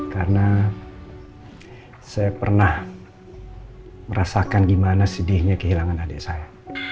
karena saya pernah merasakan gimana sedihnya kehilangan adik saya